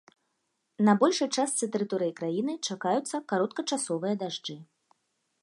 На большай частцы тэрыторыі краіны чакаюцца кароткачасовыя дажджы.